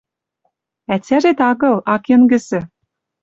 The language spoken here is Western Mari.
Ӓтяжет агыл, ак йӹнгӹсӹ».